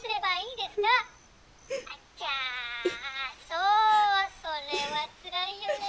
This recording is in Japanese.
そうそれはつらいよね。